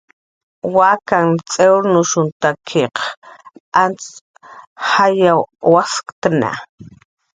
Wakanh t'iwrnushunhtakiq antz jayw wasnushnha